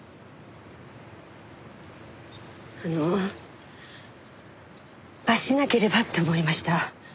あの罰しなければって思いました。